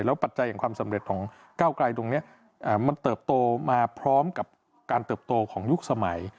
ปัจจัยของความสำเร็จของก้าวไกลตรงนี้มันเติบโตมาพร้อมกับการเติบโตของยุคสมัย